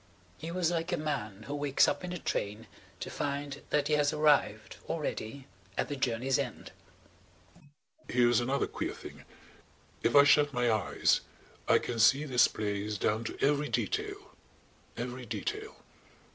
He was like a man who wakes up in a train to find that he has arrived, already, at the journey's end. "Here's another queer thing. If I shut my eyes I can see this place down to every detail–every detail.